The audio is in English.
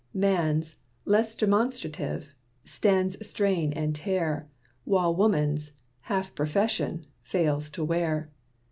Man's, less demonstrative, stands strain and tear, While woman's, half profession, fails to wear.